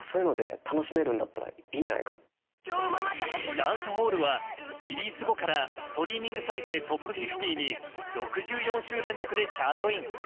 「ダンスホール」はリリース後からストリーミング再生トップ５０に６４週連続でチャートイン。